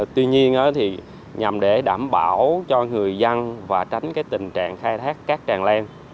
tuy nhiên nhằm để đảm bảo cho người dân và tránh tình trạng khai thác cát tràn len